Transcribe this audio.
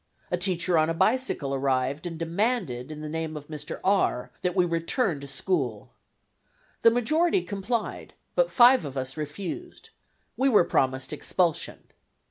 A teacher on a bicycle arrived and demanded in the name of Mr. R that we return to school. The majority complied, but five of us refused. We were promised expulsion.